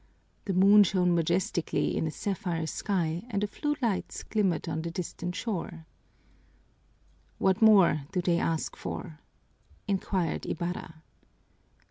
The moon shone majestically in a sapphire sky and a few lights glimmered on the distant shore. "What more do they ask for?" inquired Ibarra.